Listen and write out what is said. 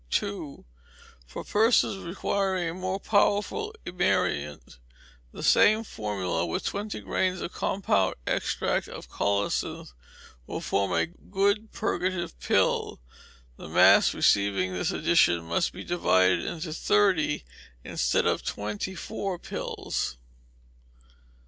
ii. For persons requiring a more powerful aperient, the same formula, with twenty grains of compound extract of colocynth, will form a good purgative pill. The mass receiving this addition must be divided into thirty, instead of twenty four pills.